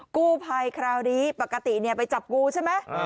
กู้ภัยคราวนี้ปกติไปจับงูใช่ไหม